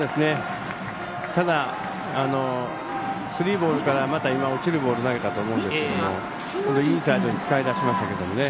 ただスリーボールから今、落ちるボール投げたと思うんですけどインサイドに使い出しましたけど。